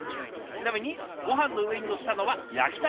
ちなみにごはんの上にのせたのは焼きたらこ。